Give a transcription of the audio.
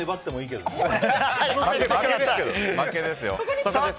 負けですよ。